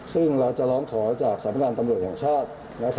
ซึ่งเราจะร้องเคาร์จากสมัครตำรวจอย่างชาติ